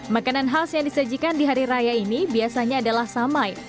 makanan khas yang disajikan di hari raya ini biasanya adalah samai